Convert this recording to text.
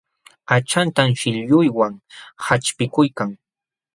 Aqchantan shillunwan qaćhpikuykan.